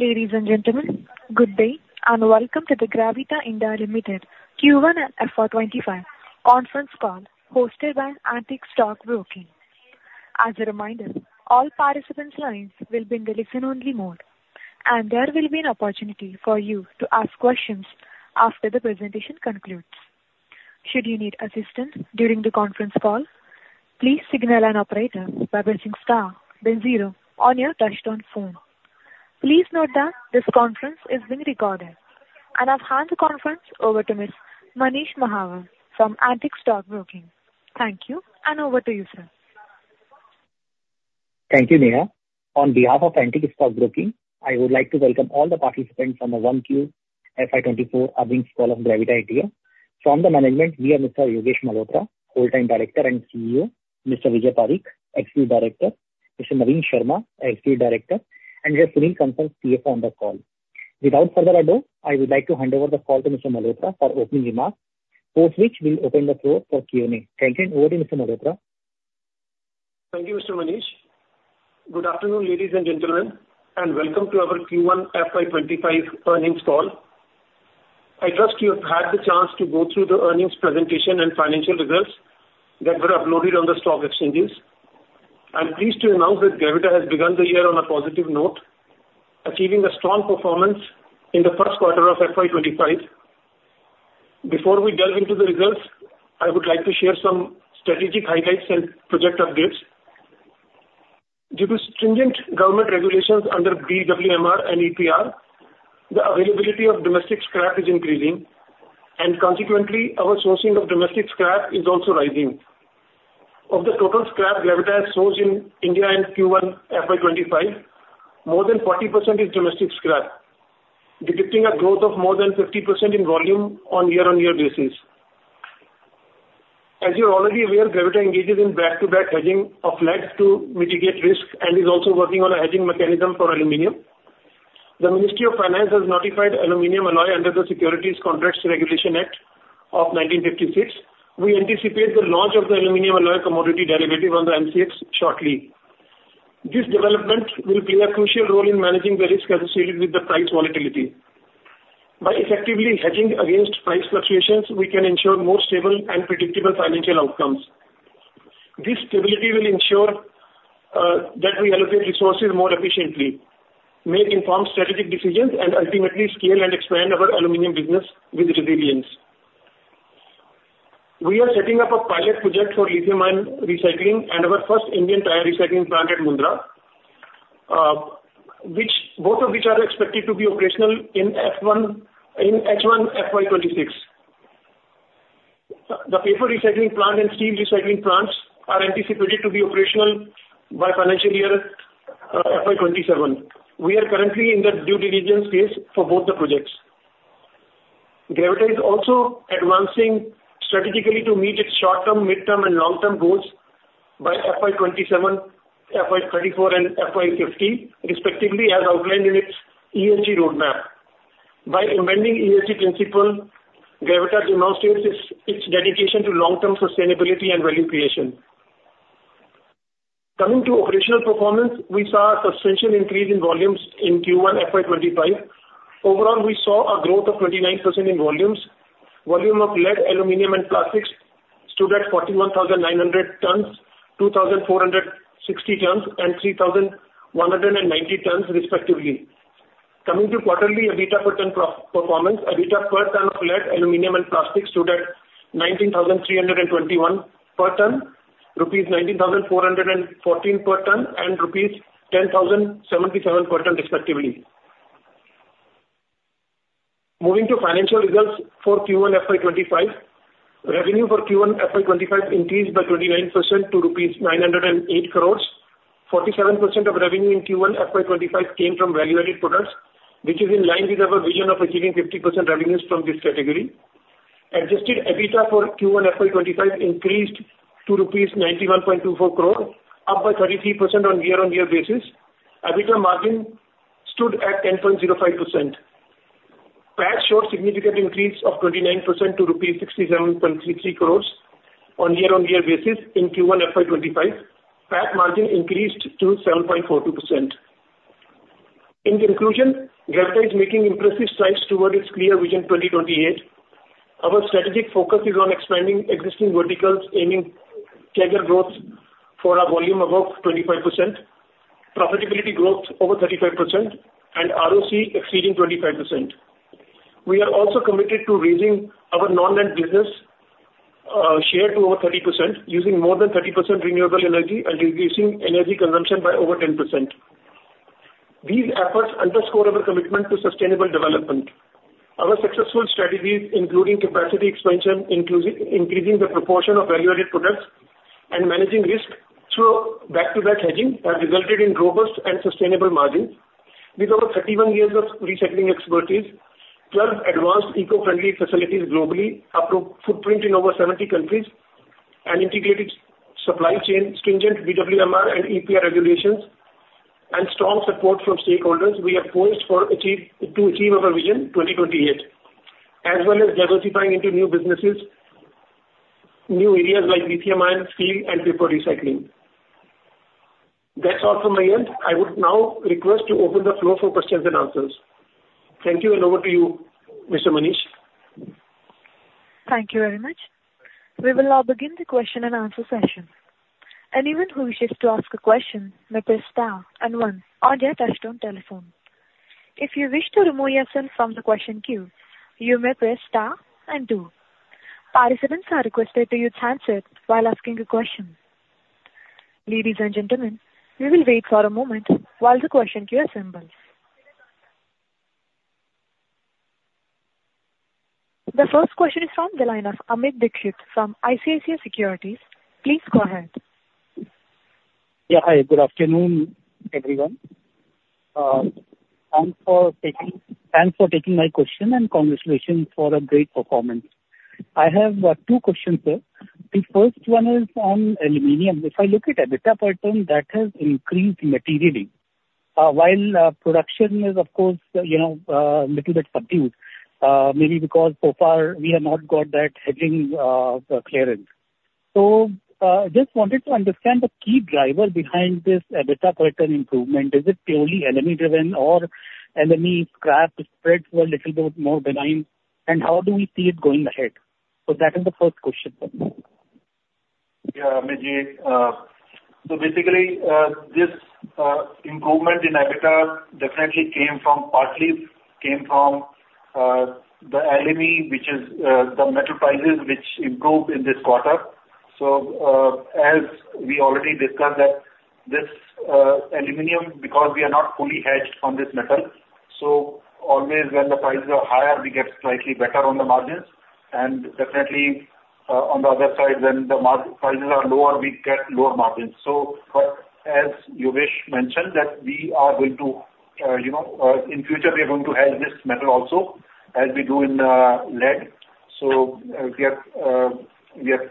Ladies and gentlemen, good day, and welcome to the Gravita India Limited Q1 FY 2025 conference call, hosted by Antique Stock Broking. As a reminder, all participants' lines will be in the listen-only mode, and there will be an opportunity for you to ask questions after the presentation concludes. Should you need assistance during the conference call, please signal an operator by pressing star then zero on your touchtone phone. Please note that this conference is being recorded. I'll hand the conference over to Mr. Manish Mahawar from Antique Stock Broking. Thank you, and over to you, sir. Thank you, Neha. On behalf of Antique Stock Broking, I would like to welcome all the participants on the 1Q FY 2024 earnings call of Gravita India. From the management, we have Mr. Yogesh Malhotra, Whole-Time Director and CEO, Mr. Vijay Pareek, Executive Director, Mr. Naveen Sharma, Executive Director, and Mr. Sunil Kansal, CFO, on the call. Without further ado, I would like to hand over the call to Mr. Malhotra for opening remarks, post which we'll open the floor for Q&A. Thank you. Over to you, Mr. Malhotra. Thank you, Mr. Manish. Good afternoon, ladies and gentlemen, and welcome to our Q1 FY 2025 earnings call. I trust you have had the chance to go through the earnings presentation and financial results that were uploaded on the stock exchanges. I'm pleased to announce that Gravita has begun the year on a positive note, achieving a strong performance in the first quarter of FY 2025. Before we delve into the results, I would like to share some strategic highlights and project updates. Due to stringent government regulations under BWMR and EPR, the availability of domestic scrap is increasing, and consequently, our sourcing of domestic scrap is also rising. Of the total scrap Gravita sourced in India in Q1 FY 2025, more than 40% is domestic scrap, depicting a growth of more than 50% in volume on year-on-year basis. As you're already aware, Gravita engages in back-to-back hedging of lead to mitigate risk and is also working on a hedging mechanism for aluminum. The Ministry of Finance has notified aluminum alloy under the Securities Contracts (Regulation) Act of 1956. We anticipate the launch of the aluminum alloy commodity derivative on the MCX shortly. This development will play a crucial role in managing the risk associated with the price volatility. By effectively hedging against price fluctuations, we can ensure more stable and predictable financial outcomes. This stability will ensure that we allocate resources more efficiently, make informed strategic decisions, and ultimately scale and expand our aluminum business with resilience. We are setting up a pilot project for lithium-ion recycling and our first Indian tire recycling plant at Mundra, both of which are expected to be operational in H1 FY 2026. The paper recycling plant and steel recycling plants are anticipated to be operational by financial year FY 2027. We are currently in the due diligence phase for both the projects. Gravita is also advancing strategically to meet its short-term, midterm, and long-term goals by FY 2027, FY 2034, and FY 2050, respectively, as outlined in its ESG roadmap. By amending ESG principle, Gravita demonstrates its dedication to long-term sustainability and value creation. Coming to operational performance, we saw a substantial increase in volumes in Q1 FY 2025. Overall, we saw a growth of 29% in volumes. Volume of lead, aluminum, and plastics stood at 41,900 tons, 2,460 tons, and 3,190 tons, respectively. Coming to quarterly EBITDA per ton performance, EBITDA per ton of lead, aluminum, and plastics stood at 19,321 per ton, rupees 19,414 per ton, and rupees 10,077 per ton, respectively. Moving to financial results for Q1 FY 2025. Revenue for Q1 FY 2025 increased by 29% to rupees 908 crore. Forty-seven percent of revenue in Q1 FY 2025 came from value-added products, which is in line with our vision of achieving 50% revenues from this category. Adjusted EBITDA for Q1 FY 2025 increased to rupees 91.24 crore, up by 33% on year-on-year basis. EBITDA margin stood at 10.05%. PAT showed significant increase of 29% to rupees 67.33 crore on year-on-year basis in Q1 FY 2025. PAT margin increased to 7.42%. In conclusion, Gravita is making impressive strides toward its Clear Vision 2028. Our strategic focus is on expanding existing verticals, aiming CAGR growth for our volume above 25%, profitability growth over 35%, and ROC exceeding 25%. We are also committed to raising our non-land business share to over 30%, using more than 30% renewable energy and reducing energy consumption by over 10%. These efforts underscore our commitment to sustainable development. Our successful strategies, including capacity expansion, increasing the proportion of value-added products, and managing risk through back-to-back hedging, have resulted in robust and sustainable margins. With our 31 years of recycling expertise, 12 advanced eco-friendly facilities globally, global footprint in over 70 countries, an integrated supply chain, stringent BWMR and EPR regulations, and strong support from stakeholders, we are poised to achieve our Clear Vision 2028, as well as diversifying into new businesses... new areas like BPMI, steel, and paper recycling. That's all from my end. I would now request to open the floor for questions and answers. Thank you, and over to you, Mr. Manish. Thank you very much. We will now begin the question and answer session. Anyone who wishes to ask a question, may press star and one on your touchtone telephone. If you wish to remove yourself from the question queue, you may press star and two. Participants are requested to use handset while asking a question. Ladies and gentlemen, we will wait for a moment while the question queue assembles. The first question is from the line of Amit Dixit from ICICI Securities. Please go ahead. Yeah, hi, good afternoon, everyone. Thanks for taking, thanks for taking my question, and congratulations for a great performance. I have two questions, sir. The first one is on aluminum. If I look at EBITDA per ton, that has increased materially, while production is, of course, you know, little bit subdued, maybe because so far we have not got that hedging clearance. So, just wanted to understand the key driver behind this EBITDA per ton improvement. Is it purely LME driven or LME scrap spreads were little bit more benign, and how do we see it going ahead? So that is the first question. Yeah, Amit ji, so basically, this improvement in EBITDA definitely came from, partly came from, the LME, which is, the metal prices which improved in this quarter. So, as we already discussed that this, aluminum, because we are not fully hedged on this metal, so always when the prices are higher, we get slightly better on the margins, and definitely, on the other side, when the prices are lower, we get lower margins. So, but as Yogesh mentioned that we are going to, you know, in future we are going to hedge this metal also, as we do in, lead. So, we are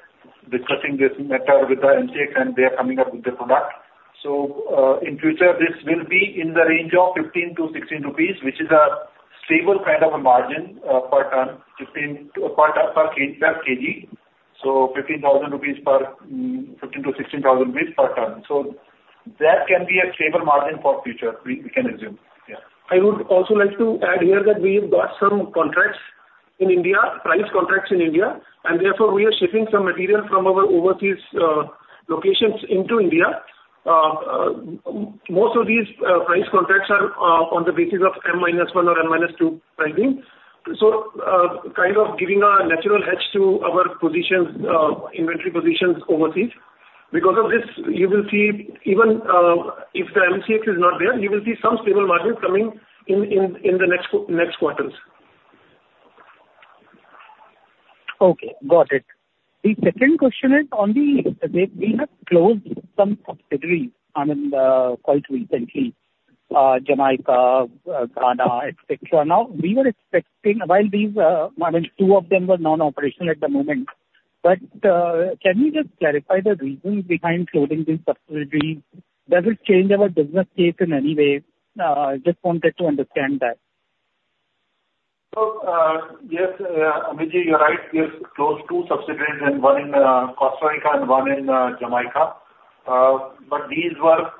discussing this matter with the MCX and they are coming up with the product. So, in future, this will be in the range of 15-16 rupees, which is a stable kind of a margin, per ton, 15, per ton, per kg, per kg, so INR 15,000 per, 15-16,000 per ton. So that can be a stable margin for future, we, we can assume. Yeah. I would also like to add here that we've got some contracts in India, price contracts in India, and therefore we are shipping some material from our overseas locations into India. Most of these price contracts are on the basis of M-1 or M-2 pricing. So, kind of giving a natural hedge to our positions, inventory positions overseas. Because of this, you will see even if the MCX is not there, you will see some stable margins coming in in the next quarters. Okay, got it. The second question is on the we have closed some subsidiaries, I mean, quite recently, Jamaica, Ghana, et cetera. Now, we were expecting while these, I mean, two of them were non-operational at the moment, but, can you just clarify the reason behind closing these subsidiaries? Does it change our business case in any way? Just wanted to understand that. So, yes, Amit ji, you're right. We have closed two subsidiaries, and one in Costa Rica and one in Jamaica. But these were...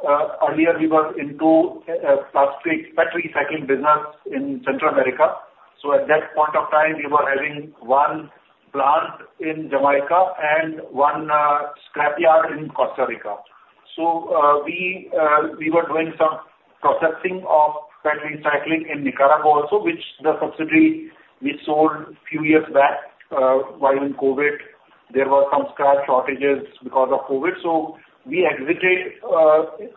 Earlier we were into plastic PET recycling business in Central America. So at that point of time, we were having one plant in Jamaica and one scrapyard in Costa Rica. So, we were doing some processing of PET recycling in Nicaragua also, which the subsidiary we sold few years back. While in COVID, there were some scrap shortages because of COVID, so we exited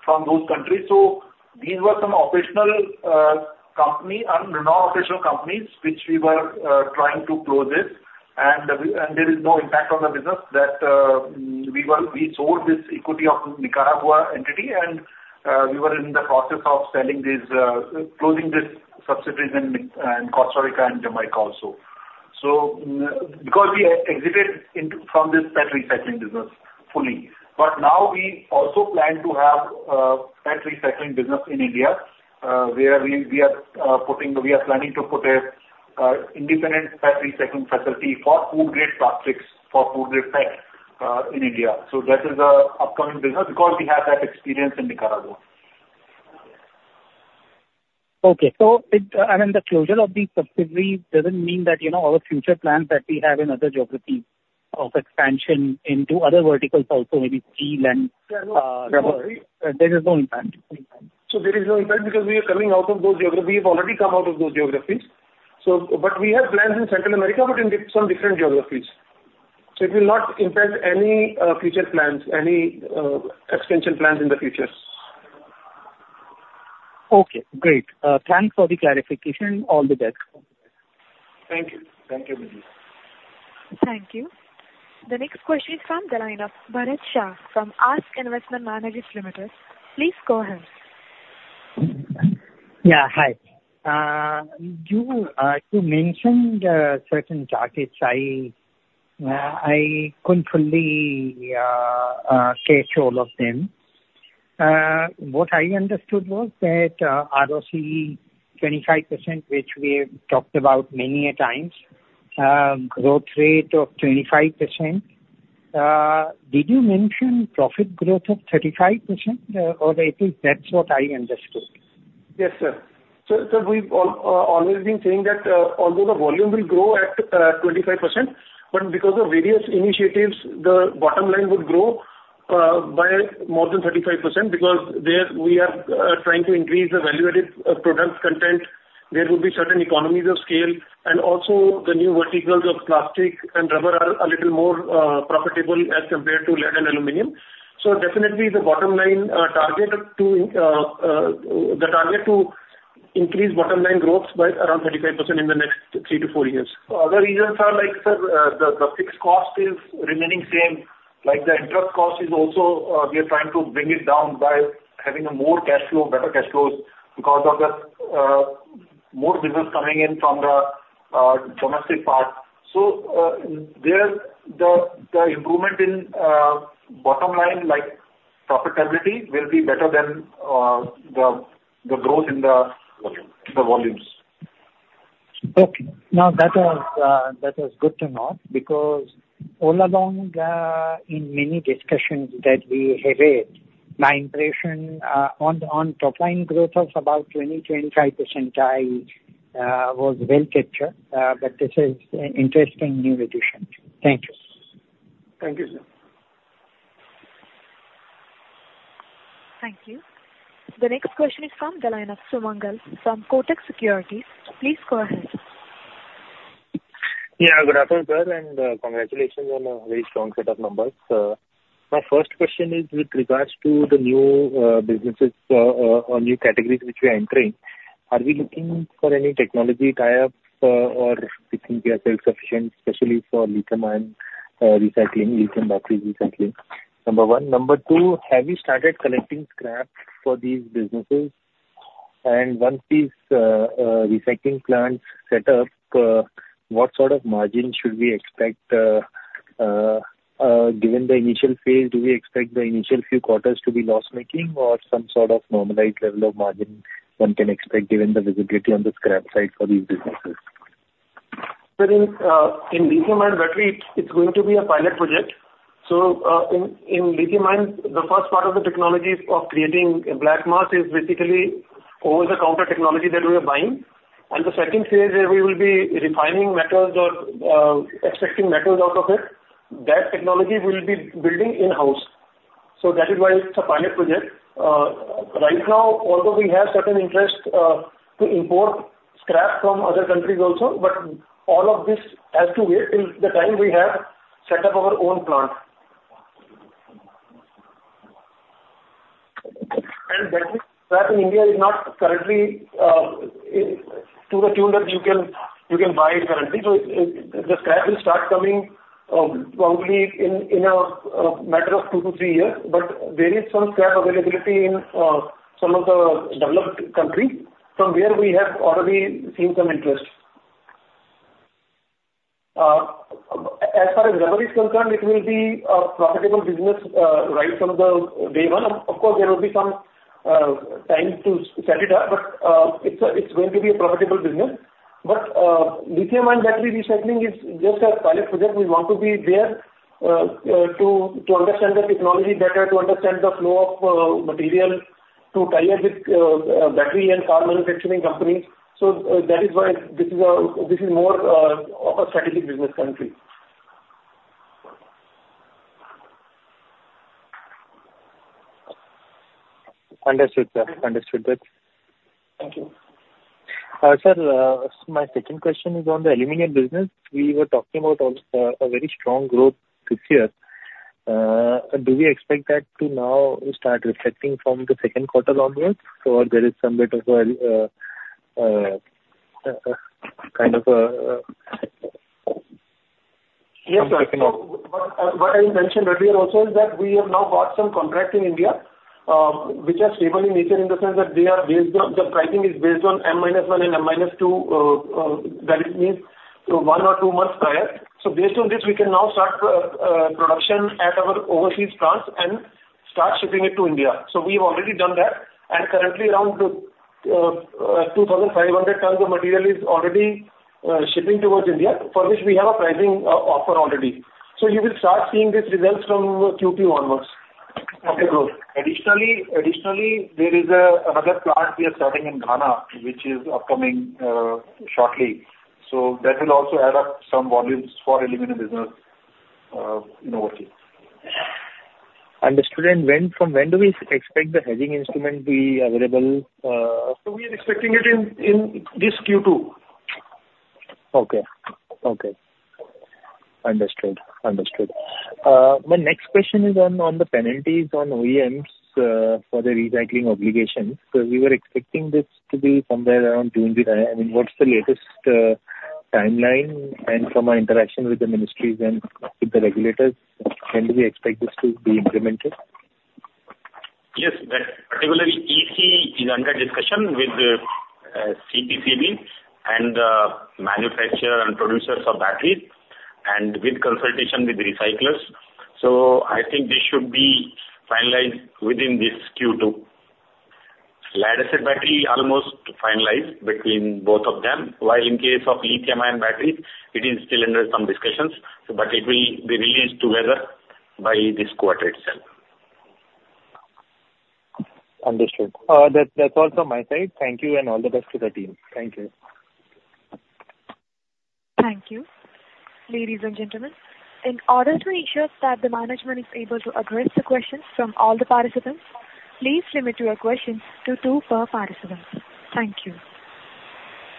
from those countries. So these were some operational, company and non-operational companies which we were, trying to close this, and, and there is no impact on the business that, we were, we sold this equity of Nicaragua entity, and, we were in the process of selling these, closing these subsidiaries in Nic- in Costa Rica and Jamaica also. So, because we exited into, from this PET recycling business fully, but now we also plan to have, PET recycling business in India, where we, we are, putting the... We are planning to put a, independent PET recycling facility for food grade plastics, for food grade PET, in India. So that is a upcoming business because we have that experience in Nicaragua. Okay. So it, I mean, the closure of the subsidiary doesn't mean that, you know, our future plans that we have in other geographies of expansion into other verticals also, maybe steel and rubber. Yeah, no. There is no impact? So there is no impact because we are coming out of those geographies. We have already come out of those geographies, so but we have plans in Central America, but in some different geographies. So it will not impact any future plans, any expansion plans in the future. Okay, great. Thanks for the clarification. All the best. Thank you. Thank you, Amit ji. Thank you. The next question is from the line of Bharat Shah from ASK Investment Managers LLP. Please go ahead. Yeah, hi. You mentioned certain targets. I couldn't fully catch all of them. What I understood was that ROC, 25%, which we have talked about many a times, growth rate of 25%. Did you mention profit growth of 35%? Or at least that's what I understood. Yes, sir. So we've always been saying that, although the volume will grow at 25%, but because of various initiatives, the bottom line would grow by more than 35%, because there we are trying to increase the value added products content. There will be certain economies of scale, and also the new verticals of plastic and rubber are a little more profitable as compared to lead and aluminum. So definitely the bottom line target to the target to increase bottom line growth by around 35% in the next three to four years. Other reasons are like, sir, the fixed cost is remaining same, like the interest cost is also, we are trying to bring it down by having a more cash flow, better cash flows, because of the more business coming in from the domestic part. So, the improvement in bottom line, like profitability, will be better than the growth in the- Volume. -the volumes. Okay. Now, that was, that was good to know, because all along, in many discussions that we have had, my impression, on, on top line growth of about 20-25%, I, was well captured, but this is an interesting new addition. Thank you. Thank you, sir. Thank you. The next question is from the line of Sumangal from Kotak Securities. Please go ahead. Yeah, good afternoon, sir, and congratulations on a very strong set of numbers. My first question is with regards to the new businesses or new categories which we are entering. Are we looking for any technology tie-ups or do you think we are self-sufficient, especially for lithium ion recycling, lithium battery recycling? Number one. Number two, have you started collecting scrap for these businesses? And once these recycling plants set up, what sort of margin should we expect, given the initial phase, do we expect the initial few quarters to be loss-making or some sort of normalized level of margin one can expect, given the visibility on the scrap side for these businesses? So in lithium-ion battery, it's going to be a pilot project. So in lithium-ion, the first part of the technologies of creating a black mass is basically over-the-counter technology that we are buying. And the second phase, where we will be refining metals or extracting metals out of it, that technology we'll be building in-house. So that is why it's a pilot project. Right now, although we have certain interest to import scrap from other countries also, but all of this has to wait till the time we have set up our own plant. And battery scrap in India is not currently to the tune that you can buy it currently. So the scrap will start coming, probably in a matter of two to three years. But there is some scrap availability in some of the developed countries, from where we have already seen some interest. As far as memory is concerned, it will be a profitable business right from the day one. Of course, there will be some time to set it up, but it's going to be a profitable business. But lithium-ion battery recycling is just a pilot project. We want to be there to understand the technology better, to understand the flow of material, to tie up with battery and car manufacturing companies. So that is why this is more of a strategic business country. Understood, sir. Understood that. Thank you. Sir, my second question is on the aluminum business. We were talking about also a very strong growth this year. Do we expect that to now start reflecting from the second quarter onwards, or there is some bit of kind of... Yes, sir. What I mentioned earlier also is that we have now got some contracts in India, which are stable in nature in the sense that they are based on, the pricing is based on M-1 and M-2, that means one or two months prior. So based on this, we can now start production at our overseas plants and start shipping it to India. So we've already done that, and currently around 2,500 tons of material is already shipping towards India, for which we have a pricing offer already. So you will start seeing these results from Q2 onwards. Okay. Additionally, there is another plant we are starting in Ghana, which is upcoming shortly. So that will also add up some volumes for aluminum business in the market. Understood. And when, from when do we expect the hedging instrument to be available? We are expecting it in this Q2. Okay. Okay. Understood. Understood. My next question is on, on the penalties on OEMs, for the recycling obligation, because we were expecting this to be somewhere around June this year. I mean, what's the latest, timeline, and from our interaction with the ministries and with the regulators, when do we expect this to be implemented? Yes, the regulation CPCB and manufacturers and producers of batteries, and with consultation with the recyclers. So I think this should be finalized within this Q2. Lead-acid battery almost finalized between both of them, while in case of lithium-ion batteries, it is still under some discussions, but it will be released together by this quarter itself. Understood. That's all from my side. Thank you, and all the best to the team. Thank you. Thank you. Ladies and gentlemen, in order to ensure that the management is able to address the questions from all the participants, please limit your questions to two per participant. Thank you.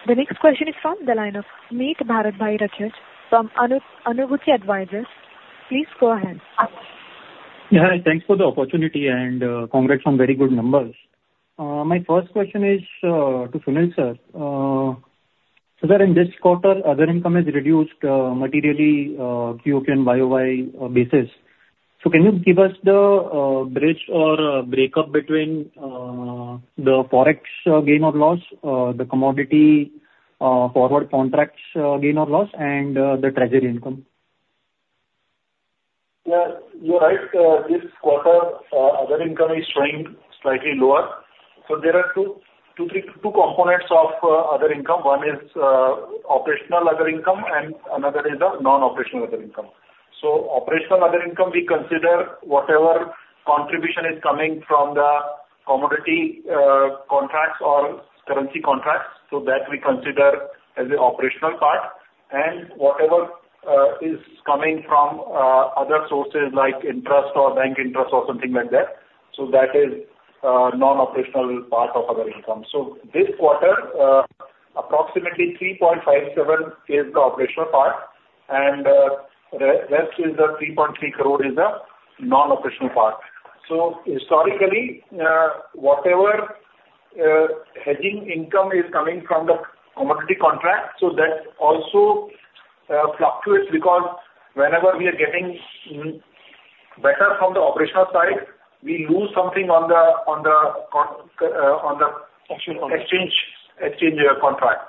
The next question is from the line of Preet Bharatbhai Rajas from Anugraha Advisors. Please go ahead. Yeah, hi, thanks for the opportunity, and congrats on very good numbers. My first question is to Sunil sir. So that in this quarter, other income is reduced materially, QOQ and YOY basis. So can you give us the bridge or breakup between the Forex gain or loss, the commodity forward contracts gain or loss, and the treasury income? Yeah, you're right. This quarter, other income is showing slightly lower. So there are two components of other income. One is operational other income, and another is the non-operational other income. So operational other income, we consider whatever contribution is coming from the commodity contracts or currency contracts, so that we consider as the operational part. And whatever is coming from other sources like interest or bank interest or something like that, so that is non-operational part of other income. So this quarter, approximately 3.57 crore is the operational part, and rest is the 3.3 crore is the non-operational part. So historically, whatever hedging income is coming from the commodity contract, so that also fluctuates because whenever we are getting better from the operational side, we lose something on the, on the con- on the- Exchange. exchange, exchange, contract.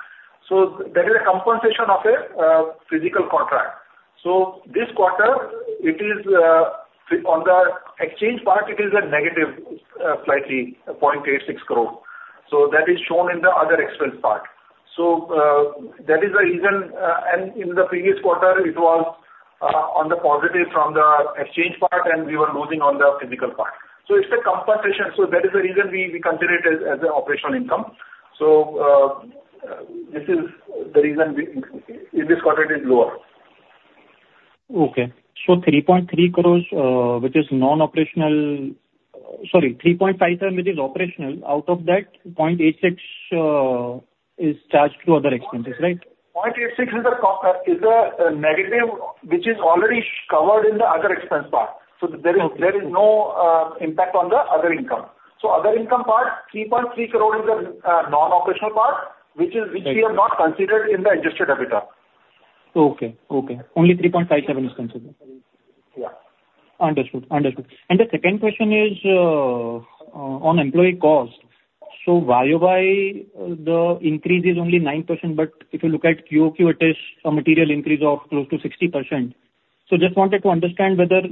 So there is a compensation of a physical contract. So this quarter, it is from the exchange part, it is a negative slightly 0.86 crore. So that is shown in the other expense part. So that is the reason. And in the previous quarter, it was on the positive from the exchange part, and we were losing on the physical part. So it's a compensation, so that is the reason we consider it as the operational income. So this is the reason in this quarter it is lower. Okay. So 3.3 crore, which is non-operational. Sorry, 3.57 crore which is operational, out of that, 0.86 crore is charged to other expenses, right? 0.86 is the negative, which is already covered in the other expense part. Okay. So there is no impact on the other income. So other income part, 3.3 crore is the non-operational part, which is- Okay. -which we have not considered in the Adjusted EBITDA. Okay. Okay, only 3.57 is considered. Yeah. Understood. Understood. The second question is on employee cost. So YOY, the increase is only 9%, but if you look at QOQ, it is a material increase of close to 60%. So just wanted to understand whether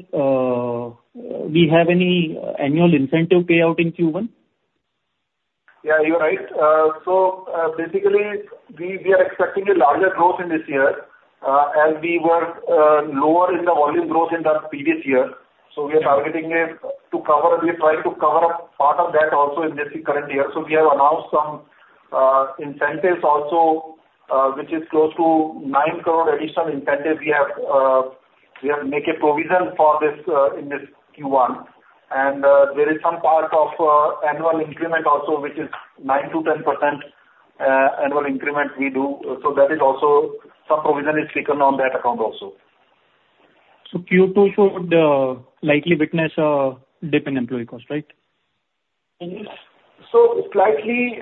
we have any annual incentive payout in Q1? Yeah, you are right. So, basically, we are expecting a larger growth in this year, as we were lower in the volume growth in the previous year. Okay. So we are targeting it to cover, we are trying to cover up part of that also in this current year. So we have announced some incentives also, which is close to 9 crore additional incentive. We have, we have make a provision for this, in this Q1. And, there is some part of, annual increment also, which is 9%-10%, annual increment we do. So that is also, some provision is taken on that account also. Q2 would likely witness a dip in employee cost, right? So slightly,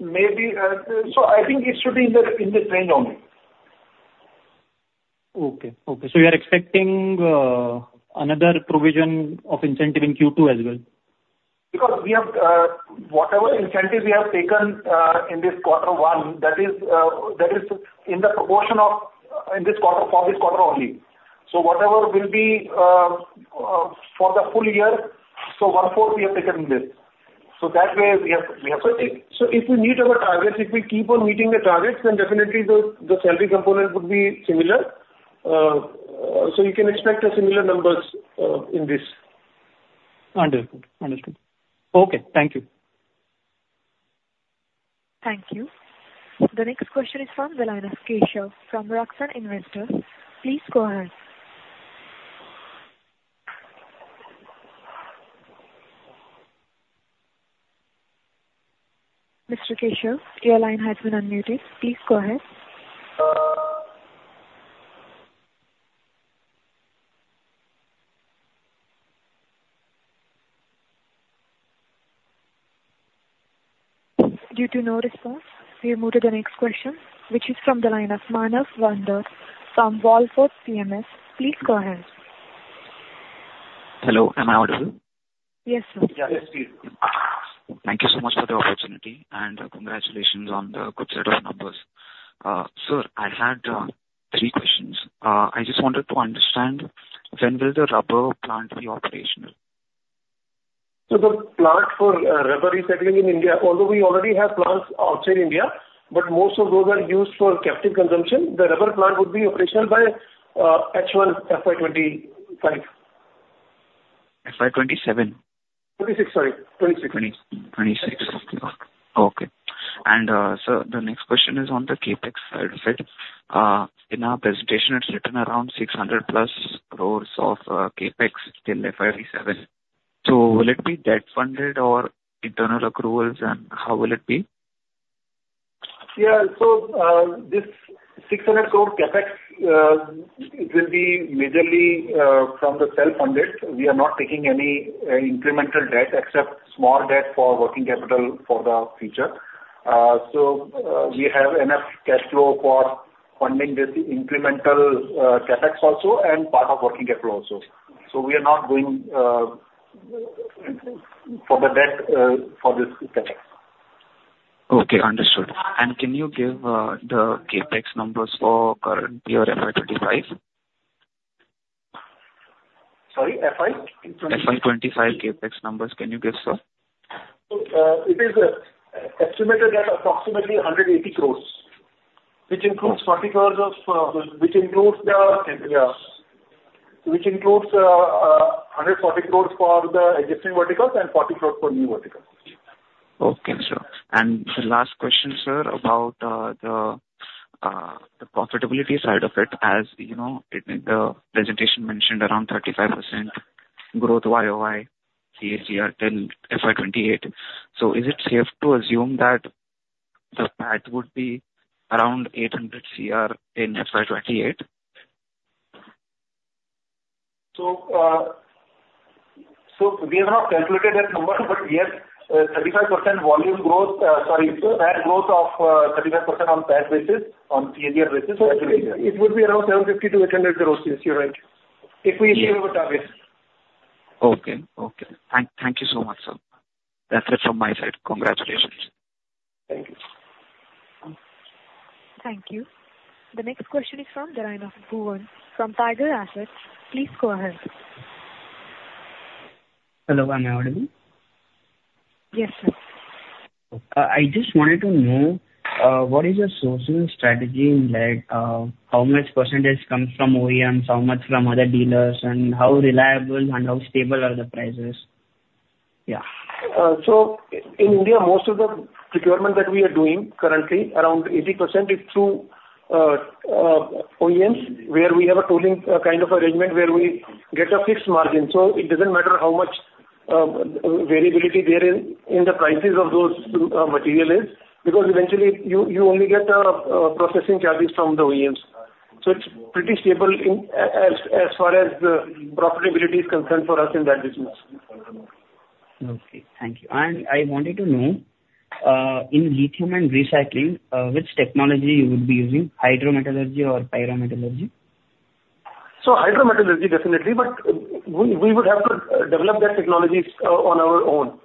maybe, so I think it should be in the range only. Okay. Okay, so you are expecting another provision of incentive in Q2 as well? Because we have whatever incentive we have taken in this quarter one, that is, that is in the proportion of in this quarter, for this quarter only. So whatever will be for the full year, so one-fourth we have taken in this. So that way, we have, we have... So if, so if we meet our targets, if we keep on meeting the targets, then definitely the, the salary component would be similar. So you can expect similar numbers in this. Understood. Understood. Okay, thank you. Thank you. The next question is from the line of Keshav from RakSan Investors. Please go ahead. Mr. Keshav, your line has been unmuted. Please go ahead. Due to no response, we move to the next question, which is from the line of Manas Wandel from Wallfort PMS. Please go ahead.... Hello, am I audible? Yes, sir. Yeah, yes, please. Thank you so much for the opportunity, and congratulations on the good set of numbers. Sir, I had three questions. I just wanted to understand, when will the rubber plant be operational? The plant for rubber recycling in India, although we already have plants outside India, but most of those are used for captive consumption. The rubber plant would be operational by H1 FY 2025. FY 2027. FY 2026, sorry, FY 2026. 2026. Okay. And, sir, the next question is on the CapEx side of it. In our presentation, it's written around 600+ crores of CapEx till FY 2027. So will it be debt-funded or internal accruals, and how will it be? Yeah. So, this 600 crore CapEx, it will be majorly from the self-funded. We are not taking any incremental debt except small debt for working capital for the future. So, we have enough cash flow for funding this incremental CapEx also, and part of working capital also. So we are not going for the debt for this CapEx. Okay, understood. And can you give the CapEx numbers for currently your FY 2025? Sorry, FY? FY 2025 CapEx numbers, can you give, sir? So, it is estimated at approximately 108 crores, which includes 140 crores for the existing verticals and 40 crores for new verticals. Okay, sir. The last question, sir, about the profitability side of it. As you know, the presentation mentioned around 35% growth YOY, CAGR till FY 2028. So is it safe to assume that the PAT would be around 800 crore in FY 2028? So, we have not calculated that number but yes, 35% volume growth, sorry, PAT growth of 35% on PAT basis, on CAGR basis. So it would be around INR 750-800 crore. Yes, you're right. If we achieve our target. Okay. Thank you so much, sir. That's it from my side. Congratulations. Thank you. Thank you. The next question is from the line of Bhuvan, from Tiger Assets. Please go ahead. Hello, am I audible? Yes, sir. I just wanted to know, what is your sourcing strategy, like, how much percentage comes from OEM, how much from other dealers, and how reliable and how stable are the prices? Yeah. So in India, most of the procurement that we are doing currently, around 80% is through OEMs, where we have a tooling kind of arrangement, where we get a fixed margin. So it doesn't matter how much variability there is in the prices of those material is, because eventually you only get the processing charges from the OEMs. So it's pretty stable in as far as the profitability is concerned for us in that business. Okay, thank you. I wanted to know, in lithium and recycling, which technology you would be using, Hydrometallurgy or Pyrometallurgy? So hydrometallurgy, definitely, but we would have to develop that technologies on our own.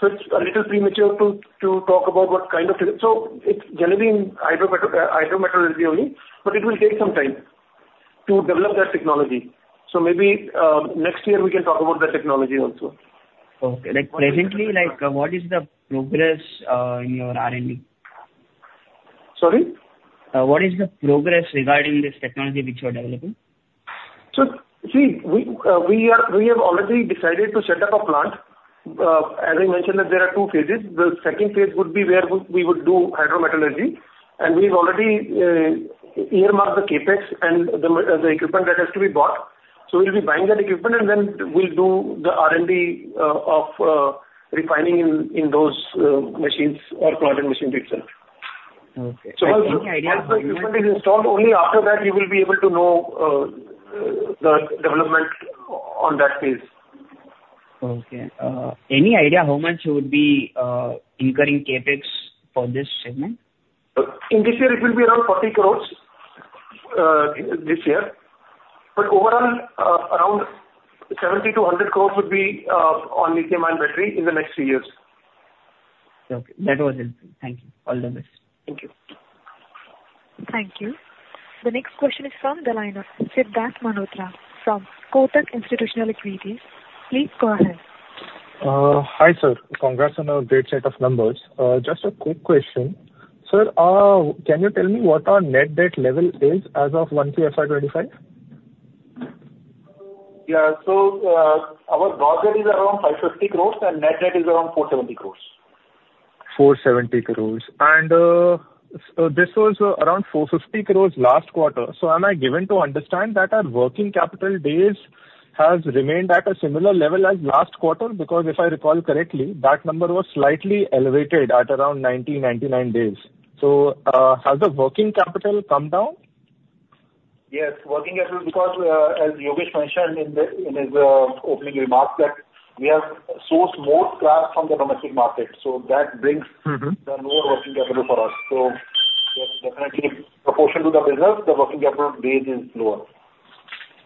So it's a little premature to talk about what kind of tech... So it's gonna be in hydrometallurgy only, but it will take some time to develop that technology. So maybe next year we can talk about that technology also. Okay. Like, presently, like, what is the progress in your R&D? Sorry? What is the progress regarding this technology which you are developing? So see, we are, we have already decided to set up a plant. As I mentioned that there are two phases. The second phase would be where we would do hydrometallurgy, and we've already earmarked the CapEx and the equipment that has to be bought. So we'll be buying that equipment, and then we'll do the R&D of refining in those machines or pilot machines itself. Okay. So once the equipment is installed, only after that we will be able to know the development on that phase. Okay, any idea how much you would be incurring CapEx for this segment? In this year it will be around 40 crore, this year. But overall, around 70 crore-100 crore would be on lithium-ion battery in the next three years. Okay. That was helpful. Thank you. All the best. Thank you. Thank you. The next question is from the line of Siddharth Malhotra from Kotak Institutional Equities. Please go ahead. Hi, sir. Congrats on a great set of numbers. Just a quick question. Sir, can you tell me what our net debt level is as of one year FY 2025? Yeah. So, our gross debt is around 550 crores, and net debt is around 470 crores. 470 crore. So this was around 450 crore last quarter. So am I given to understand that our working capital days has remained at a similar level as last quarter? Because if I recall correctly, that number was slightly elevated at around 99 days. So, has the working capital come down? Yes, working capital, because as Yogesh mentioned in his opening remarks, that we have sourced more cars from the domestic market, so that brings- Mm-hmm. the lower working capital for us. Yes, definitely proportional to the business, the working capital base is lower.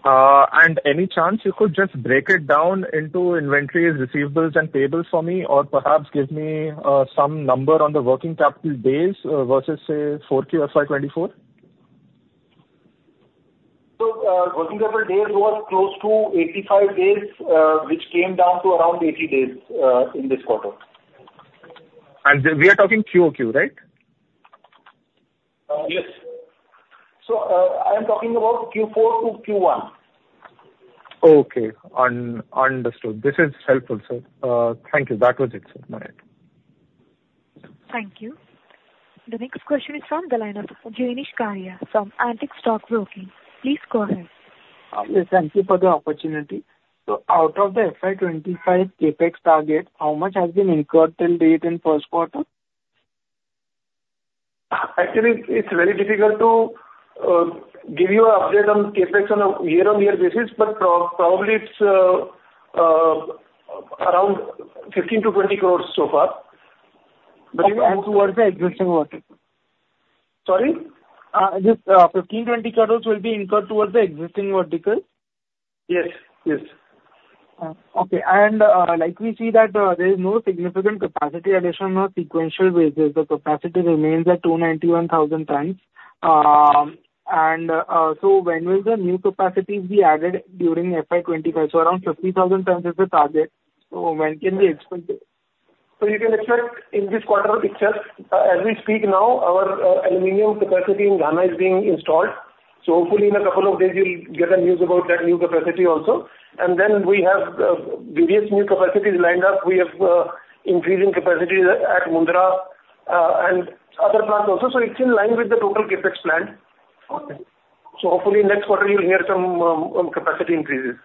And any chance you could just break it down into inventories, receivables, and payables for me, or perhaps give me some number on the working capital days versus, say, Q4 of FY 2024? So, working capital days was close to 85 days, which came down to around 80 days, in this quarter. We are talking QOQ, right? Yes. So, I'm talking about Q4 to Q1. Okay. Understood. This is helpful, sir. Thank you. That was it, sir. Bye. Thank you. The next question is from the line of Jenish Karia from Antique Stock Broking. Please go ahead. Yes, thank you for the opportunity. So out of the FY 2025 CapEx target, how much has been incurred till date in first quarter? Actually, it's very difficult to give you an update on CapEx on a year-on-year basis, but probably it's around 15-20 crores so far. Towards the existing quarter. Sorry? This 15-20 crores will be incurred towards the existing vertical? Yes. Yes. Okay. And, like we see that, there is no significant capacity addition or sequential changes, the capacity remains at 291,000 tons. And, so when will the new capacities be added during FY 2025? So around 50,000 tons is the target. So when can we expect it? So you can expect in this quarter itself, as we speak now, our aluminum capacity in Ghana is being installed. So hopefully in a couple of days, we'll get the news about that new capacity also. And then we have various new capacities lined up. We have increasing capacity at Mundra and other plants also. So it's in line with the total CapEx plan. Okay. Hopefully next quarter you'll hear some capacity increases.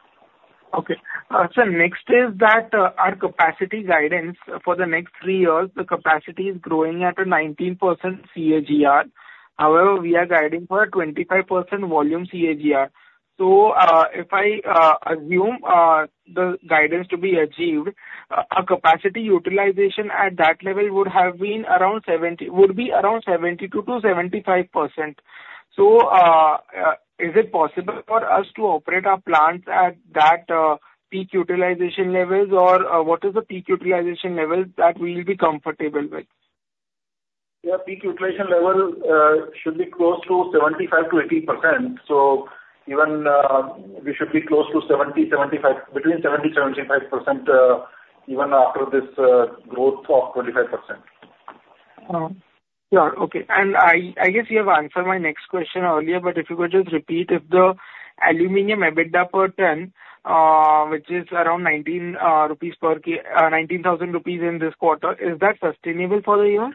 Okay. Sir, next is that, our capacity guidance for the next three years, the capacity is growing at a 19% CAGR. However, we are guiding for a 25% volume CAGR. So, if I assume, the guidance to be achieved, our capacity utilization at that level would be around 72%-75%. So, is it possible for us to operate our plants at that, peak utilization levels? Or, what is the peak utilization level that we'll be comfortable with? Yeah, peak utilization level should be close to 75%-80%. So even, we should be close to 70%-75%, between 70%-75% even after this growth of 25%. Yeah, okay. I guess you have answered my next question earlier, but if you could just repeat, if the aluminum EBITDA per ton, which is around 19 rupees per k- 19,000 rupees in this quarter, is that sustainable for the year?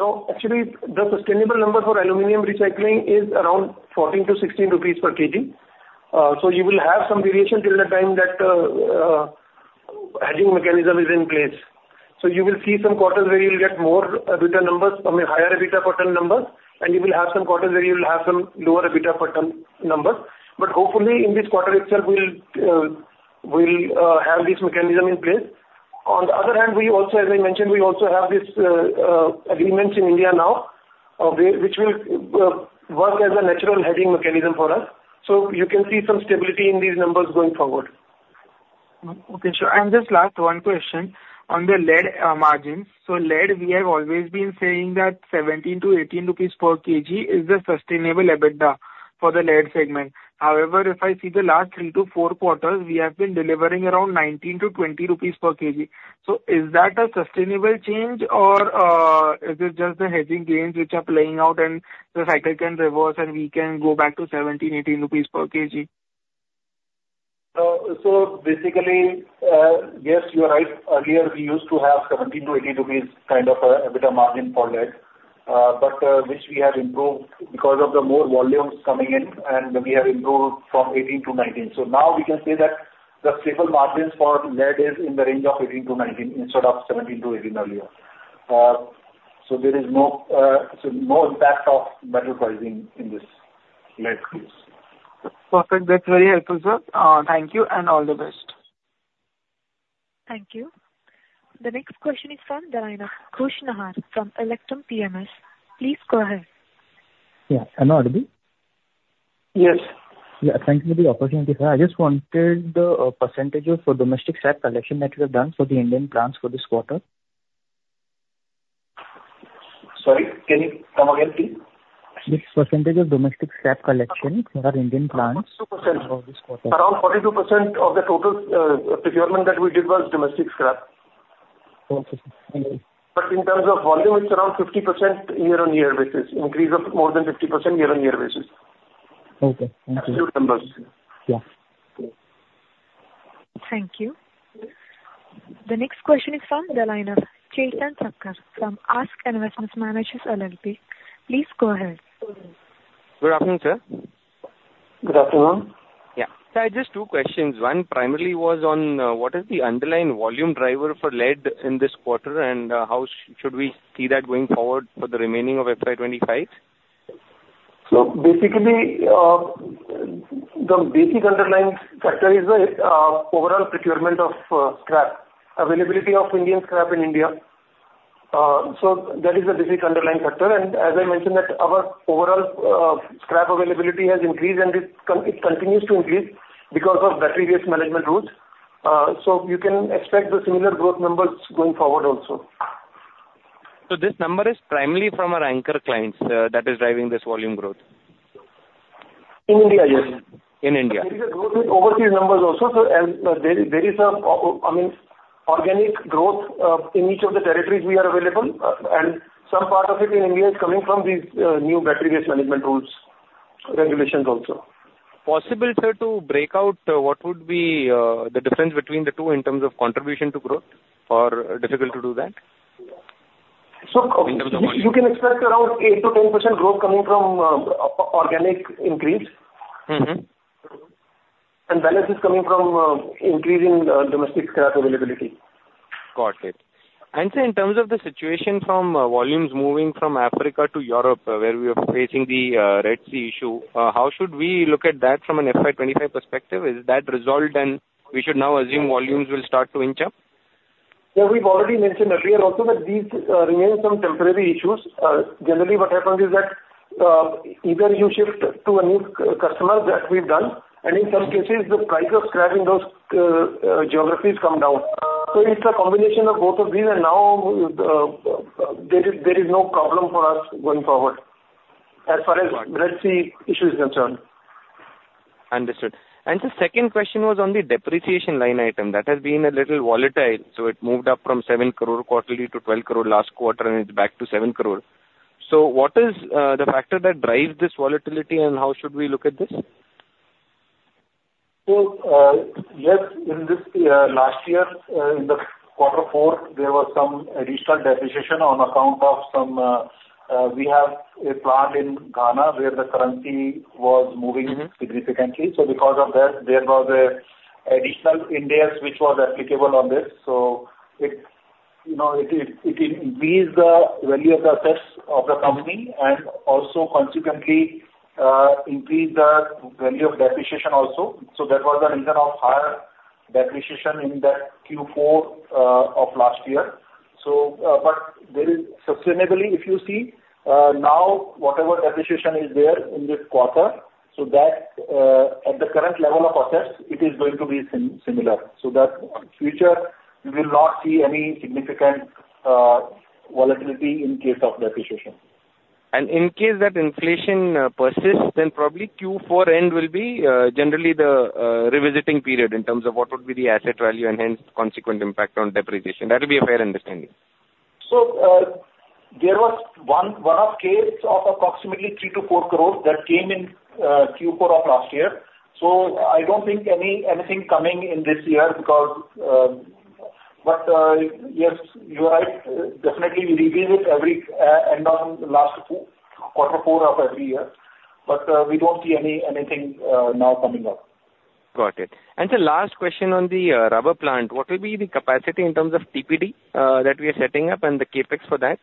So actually, the sustainable number for aluminum recycling is around 14-16 rupees per kg. So you will have some variation till the time that the hedging mechanism is in place. So you will see some quarters where you'll get more EBITDA numbers, I mean, higher EBITDA quarter numbers, and you will have some quarters where you will have some lower EBITDA per ton numbers. But hopefully, in this quarter itself, we'll have this mechanism in place. On the other hand, we also, as I mentioned, we also have this agreements in India now, which will work as a natural hedging mechanism for us. So you can see some stability in these numbers going forward. Okay, sure. And just last one question on the lead, margins. So lead, we have always been saying that 17-18 rupees per kg is the sustainable EBITDA for the lead segment. However, if I see the last 3-4 quarters, we have been delivering around 19-20 rupees per kg. So is that a sustainable change, or, is it just the hedging gains which are playing out and the cycle can reverse and we can go back to 17-18 rupees per kg? So basically, yes, you are right. Earlier, we used to have 17-18 rupees kind of a EBITDA margin for lead, but which we have improved because of the more volumes coming in, and we have improved from 18 to 19. So now we can say that the stable margins for lead is in the range of 18-19 instead of 17-18 earlier. So there is no, so no impact of metal pricing in this lead case. Perfect. That's very helpful, sir. Thank you and all the best. Thank you. The next question is from the line of Khush Nahar from Electrum PMS. Please go ahead. Yeah. Hello, am I audible? Yes. Yeah, thank you for the opportunity, sir. I just wanted the percentages for domestic scrap collection that you have done for the Indian plants for this quarter. Sorry, can you come again, please? Which percentage of domestic scrap collections are Indian plants for this quarter? Around 42% of the total procurement that we did was domestic scrap. Okay. Thank you. In terms of volume, it's around 50% year-over-year basis, increase of more than 50% year-over-year basis. Okay. Thank you. Absolute numbers. Yeah. Thank you. The next question is from the line of Chetan Thacker from ASK Investment Managers LLP. Please go ahead. Good afternoon, sir. Good afternoon. Yeah. Sir, just two questions. One, primarily was on what is the underlying volume driver for lead in this quarter, and how should we see that going forward for the remaining of FY 2025? ...So basically, the basic underlying factor is the overall procurement of scrap, availability of Indian scrap in India. So that is the basic underlying factor. And as I mentioned, that our overall scrap availability has increased, and it continues to increase because of Battery Waste Management Rules. So you can expect the similar growth numbers going forward also. This number is primarily from our anchor clients, that is driving this volume growth? In India, yes. In India. There is a growth in overseas numbers also. So as there is a, I mean, organic growth in each of the territories we are available. And some part of it in India is coming from these new Battery Waste Management Rules, regulations also. Possible, sir, to break out what would be, the difference between the two in terms of contribution to growth, or difficult to do that? In terms of- So you can expect around 8%-10% growth coming from organic increase. Mm-hmm. Balance is coming from increasing domestic scrap availability. Got it. And, sir, in terms of the situation from volumes moving from Africa to Europe, where we are facing the Red Sea issue, how should we look at that from an FY 2025 perspective? Is that resolved and we should now assume volumes will start to inch up? So we've already mentioned earlier also that these remain some temporary issues. Generally, what happens is that either you shift to a new customer, that we've done, and in some cases the price of scrap in those geographies come down. So it's a combination of both of these, and now there is no problem for us going forward as far as Red Sea issue is concerned. Understood. The second question was on the depreciation line item. That has been a little volatile, so it moved up from 7 crore quarterly to 12 crore last quarter, and it's back to 7 crore. So what is the factor that drives this volatility, and how should we look at this? So, yes, in this year, last year, in quarter four, there was some additional depreciation on account of some. We have a plant in Ghana where the currency was moving- Mm-hmm. significantly. So because of that, there was an additional interest which was applicable on this. So it, you know, it, it, it increase the value of the assets of the company and also consequently increase the value of depreciation also. So that was the reason of higher depreciation in that Q4 of last year. So, but there is sustainably, if you see, now, whatever depreciation is there in this quarter, so that, at the current level of assets, it is going to be similar. So that future, we will not see any significant volatility in case of depreciation. In case that inflation persists, then probably Q4 end will be generally the revisiting period in terms of what would be the asset value and hence consequent impact on depreciation. That will be a fair understanding? So, there was one-off case of approximately 3 crore-4 crore that came in, Q4 of last year. So I don't think anything coming in this year because... But, yes, you are right. Definitely we review it every end of last two, quarter four of every year, but, we don't see anything now coming up. Got it. And the last question on the, rubber plant. What will be the capacity in terms of TPD, that we are setting up and the CapEx for that?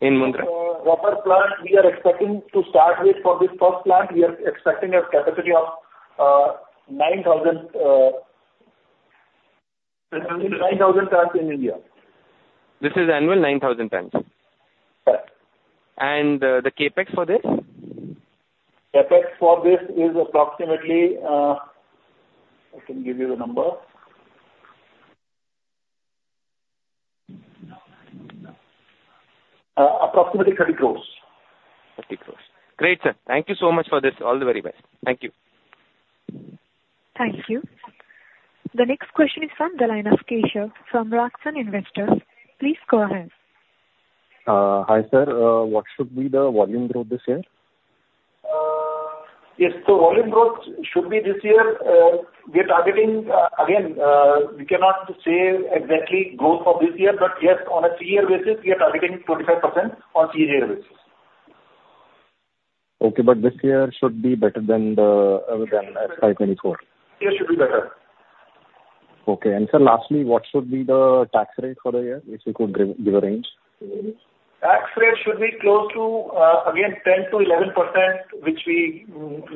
In Mundra. Rubber plant, we are expecting to start with for this first plant, we are expecting a capacity of 9,000 tons in India. This is annual 9,000 tons? Yes. And, the CapEx for this? CapEx for this is approximately, I can give you the number. Approximately 30 crore. 30 crore. Great, sir. Thank you so much for this. All the very best. Thank you. Thank you. The next question is from the line of Keshav from RakSan Investors. Please go ahead. Hi, sir. What should be the volume growth this year? Yes, so volume growth should be this year, we are targeting, again, we cannot say exactly growth for this year, but yes, on a three-year basis, we are targeting 25% on three-year basis. Okay, but this year should be better than FY 2024? This year should be better. Okay. Sir, lastly, what should be the tax rate for the year, if you could give a range? Tax rate should be close to, again, 10%-11%, which we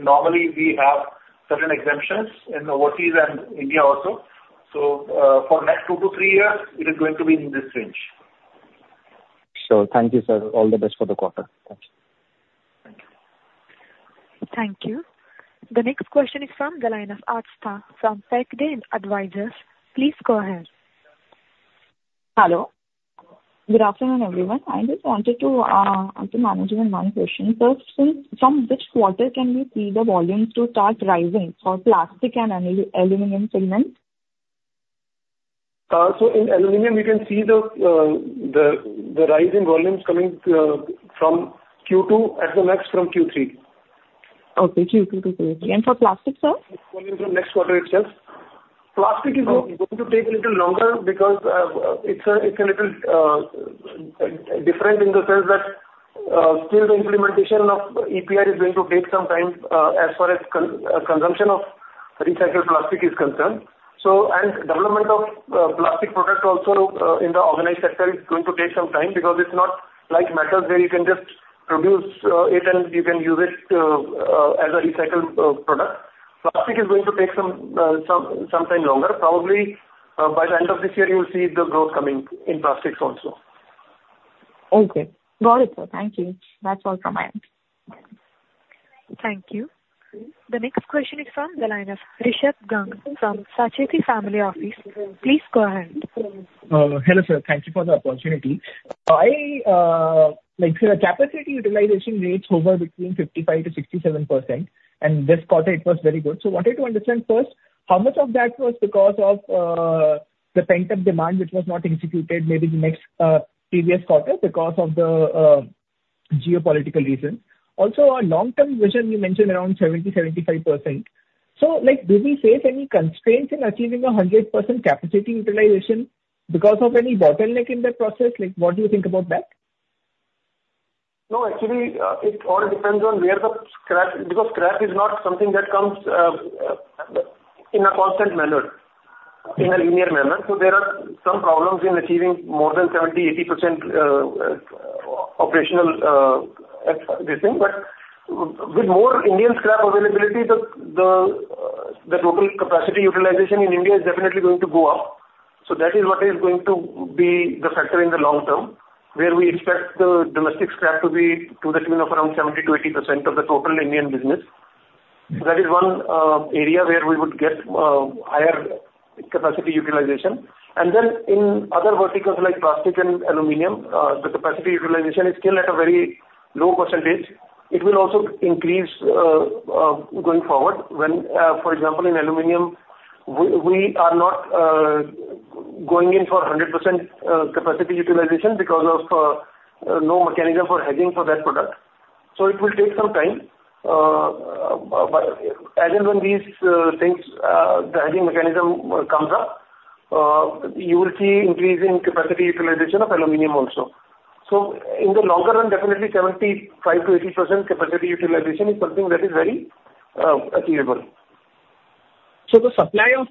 normally we have certain exemptions in overseas and India also. So, for next 2-3 years, it is going to be in this range. Thank you, sir. All the best for the quarter. Thanks. Thank you. The next question is from the line of Astha from Tech Day Advisors. Please go ahead. Hello. Good afternoon, everyone. I just wanted to ask the management one question. So, from which quarter can we see the volumes to start rising for plastic and aluminum segments? So in aluminum we can see the rising volumes coming from Q2, at the max from Q3. Okay, Q2 to Q3. For plastic, sir? Volume from next quarter itself. Plastic is going- Okay. Going to take a little longer because it's a little different in the sense that still the implementation of EPR is going to take some time, as far as consumption of recycled plastic is concerned. So, and development of plastic product also in the organized sector is going to take some time, because it's not like metals, where you can just produce it and you can use it as a recycled product. Plastic is going to take some time longer. Probably, by the end of this year, you will see the growth coming in plastics also. Okay. Got it. Thank you. That's all from my end. Thank you. The next question is from the line of Rishabh Gang from Sacheti Family Office. Please go ahead. Hello, sir. Thank you for the opportunity. I like, your capacity utilization rates hover between 55%-67%, and this quarter it was very good. So I wanted to understand first, how much of that was because of the pent-up demand which was not executed, maybe the next, previous quarter because of the geopolitical reason? Also, on long-term vision, you mentioned around 70%-75%. So, like, do we face any constraints in achieving 100% capacity utilization because of any bottleneck in that process? Like, what do you think about that? No, actually, it all depends on where the scrap... Because scrap is not something that comes in a constant manner, in a linear manner. So there are some problems in achieving more than 70, 80%, operational, this thing. But with more Indian scrap availability, the total capacity utilization in India is definitely going to go up. So that is what is going to be the factor in the long term, where we expect the domestic scrap to be to the tune of around 70%-80% of the total Indian business. That is one area where we would get higher capacity utilization. And then in other verticals like plastic and aluminum, the capacity utilization is still at a very low percentage. It will also increase going forward. When, for example, in aluminum, we, we are not going in for 100% capacity utilization because of no mechanism for hedging for that product. So it will take some time. But as and when these things, the hedging mechanism comes up, you will see increase in capacity utilization of aluminum also. So in the longer run, definitely 75%-80% capacity utilization is something that is very achievable. So the supply of